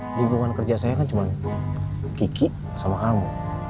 di lingkungan kerja saya kan cuma kiki sama kamu